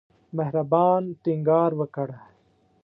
مهربان ټینګار وکړ.